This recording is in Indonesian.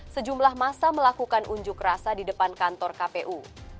sejumlah masa melakukan unjuk rasa di depan kantor kpu